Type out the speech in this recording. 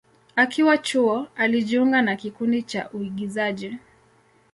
Akiwa chuo, alijiunga na kikundi cha uigizaji.